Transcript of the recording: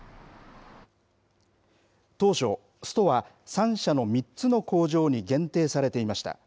当初、ストは３社の３つの工場に限定されていました。